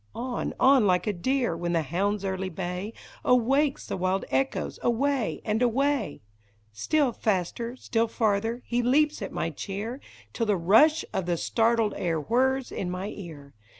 On, on like a deer, when the hound's early bay Awakes the wild echoes, away, and away ! Still faster, still farther, he leaps at my cheer. Till the rush of the startled air whirs in my ear